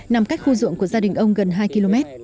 nằm cách khu ruộng của gia đình ông gần hai km